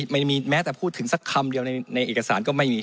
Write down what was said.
แม้แต่พูดถึงสักคำเดียวในเอกสารก็ไม่มี